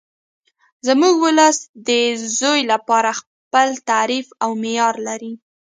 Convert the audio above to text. زموږ ولس د زوی لپاره خپل تعریف او معیار لري